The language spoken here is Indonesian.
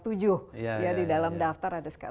tujuh ya di dalam daftar ada